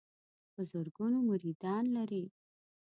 په زرګونو مریدان لري.